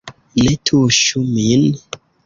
Ne tuŝu min.